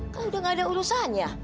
kan udah gak ada urusannya